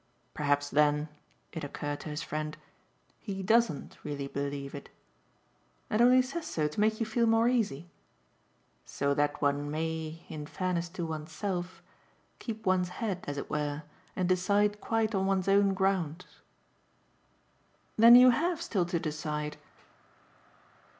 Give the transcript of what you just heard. "Perhaps then" it occurred to his friend "he doesn't really believe it." "And only says so to make you feel more easy?" "So that one may in fairness to one's self keep one's head, as it were, and decide quite on one's own grounds." "Then you HAVE still to decide?"